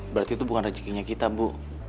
berarti itu bukan rezekinya kita bu